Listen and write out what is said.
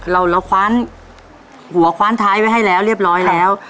เราคว้านหัวคว้านท้ายไว้ให้แล้วเรียบร้อยแล้ว